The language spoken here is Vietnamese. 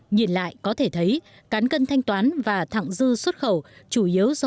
nhìn lại có thể thấy cán cân thanh toán và thẳng dư xuất khẩu